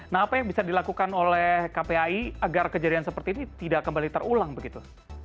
nah apa yang bisa dilakukan oleh kpai agar kejadian seperti ini tidak kembali terulang begitu